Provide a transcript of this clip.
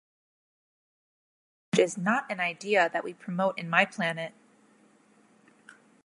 That revenge is not an idea that we promote in my planet.